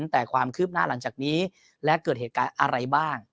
แต่ความคืบหน้าหลังจากนี้และเกิดเหตุการณ์อะไรบ้าง